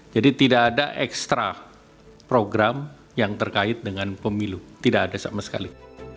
tidak ada ekstra program yang terkait dengan pemilu tidak ada sama sekali